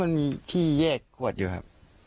มันมีที่แยกขวดอยู่ครับ